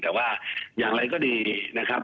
แต่ว่าอย่างไรก็ดีนะครับ